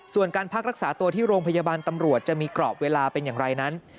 ส่วนการพักรักษาตัวที่โรงพยาบาลตำรวจจะมีกรอบเวลาเป็นอย่างไรนั้น